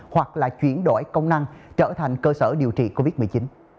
hoặc là chuyển đổi công năng trở thành cơ sở điều trị covid một mươi chín